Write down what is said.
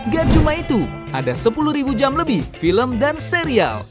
gak cuma itu ada sepuluh jam lebih film dan serial